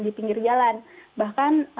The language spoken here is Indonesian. di pinggir jalan bahkan